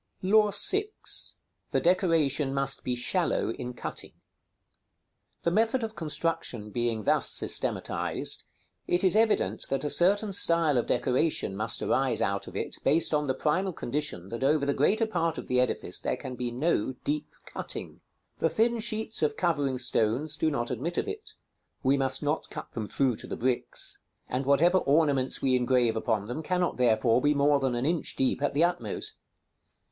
§ XXXVII. LAW VI. The decoration must be shallow in cutting. The method of construction being thus systematized, it is evident that a certain style of decoration must arise out of it, based on the primal condition that over the greater part of the edifice there can be no deep cutting. The thin sheets of covering stones do not admit of it; we must not cut them through to the bricks; and whatever ornaments we engrave upon them cannot, therefore, be more than an inch deep at the utmost.